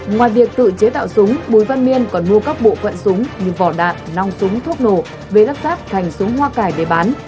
ngoài việc tự chế tạo súng bùi văn miên còn mua các bộ phận súng như vỏ đạn nong súng thuốc nổ ghế lắp ráp thành súng hoa cải để bán